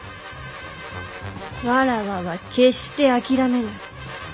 わらわは決して諦めぬ。